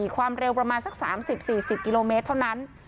ความเร็วประมาณสัก๓๐๔๐กิโลเมตรเท่านั้น